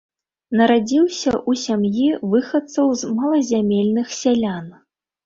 Нарадзіўся ў сям'і выхадцаў з малазямельных сялян.